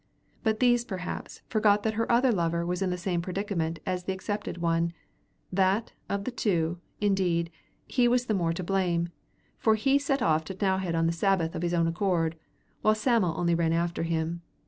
But these perhaps forgot that her other lover was in the same predicament as the accepted one that, of the two, indeed, he was the more to blame, for he set off to T'nowhead on the Sabbath of his own accord, while Sam'l only ran after him.